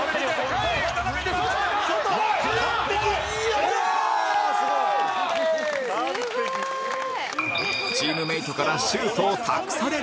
チームメイトからシュートを託されるまでに